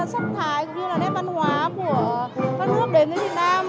cũng như là nét văn hóa của các nước đến với việt nam